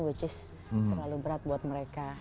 which is terlalu berat buat mereka